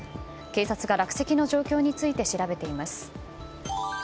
警察が落石の状況について調べています。